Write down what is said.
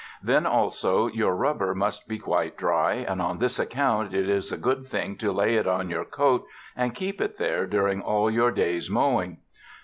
Then also your rubber must be quite dry, and on this account it is a good thing to lay it on your coat and keep it there during all your day's mowing.